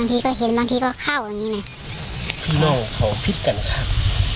พี่น้องเขาผิดกันคัก